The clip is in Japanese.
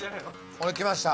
俺きました